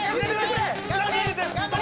頑張れ！